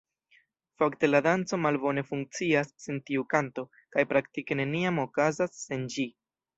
Fakte la danco malbone funkcias sen tiu kanto, kaj praktike neniam okazas sen ĝi.